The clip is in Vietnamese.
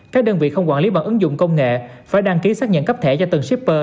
các đơn vị không quản lý bằng ứng dụng công nghệ phải đăng ký xác nhận cấp thẻ cho từng shipper